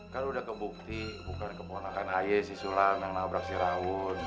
kan lu udah kebukti bukan keponakan aie si sulam yang nabrak si rawun